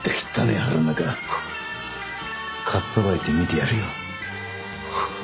腹ん中かっさばいて見てやるよウッ！